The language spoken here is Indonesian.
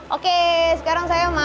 oke sekarang saya masak